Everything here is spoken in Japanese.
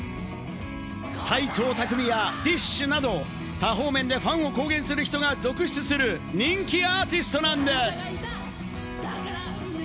斎藤工やＤＩＳＨ／／など多方面でファンを公言する人が続出、人気アーティストなんです。